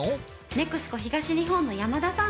ＮＥＸＣＯ東日本の山田さん